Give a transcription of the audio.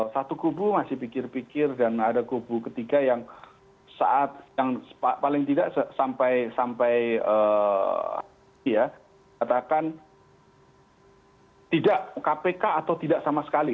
satu kubu masih pikir pikir dan ada kubu ketiga yang saat yang paling tidak sampai katakan tidak kpk atau tidak sama sekali